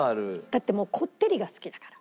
だってもうこってりが好きだから。